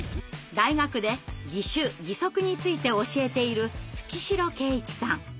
大学で義手義足について教えている月城慶一さん。